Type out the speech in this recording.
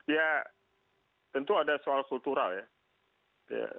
ya tentu ada soal kultural ya